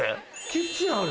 キッチンある。